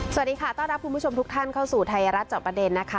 สวัสดีค่ะต้อนรับคุณผู้ชมทุกท่านเข้าสู่ไทยรัฐจอบประเด็นนะคะ